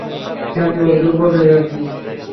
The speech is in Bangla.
জানি ওর দুর্বল জায়গা কী।